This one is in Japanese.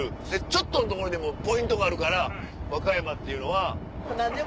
ちょっとのところにもポイントがあるから和歌山っていうのは。